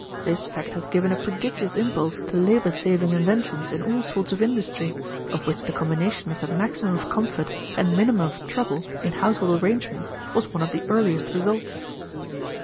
This fact has given a prodigious impulse to labor saving inventions in all sorts of industry, of which the combination of the maximum of comfort and minimum of trouble in household arrangements was one of the earliest results.